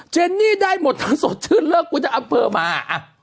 เจนี่ได้หมดทางสดชื่นเลิกพอจะเอาเปอร์มา